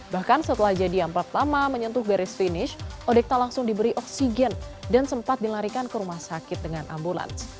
bahkan setelah jadi yang pertama menyentuh garis finish odekta langsung diberi oksigen dan sempat dilarikan ke rumah sakit dengan ambulans